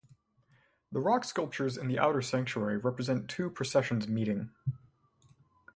The rock sculptures in the outer sanctuary represent two processions meeting.